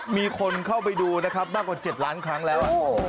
มีคนเข้าไปดูนะครับมากกว่า๗ล้านครั้งแล้ว